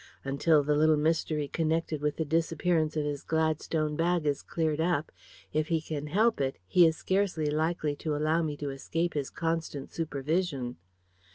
Until the little mystery connected with the disappearance of his Gladstone bag is cleared up, if he can help it, he is scarcely likely to allow me to escape his constant supervision.